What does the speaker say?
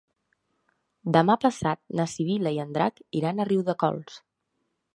Demà passat na Sibil·la i en Drac iran a Riudecols.